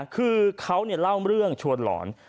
คือเขาเล่าเรื่องชวนหลอน